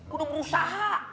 gue udah berusaha